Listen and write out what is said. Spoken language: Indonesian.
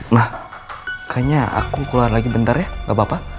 nah kayaknya aku keluar lagi bentar ya gak apa apa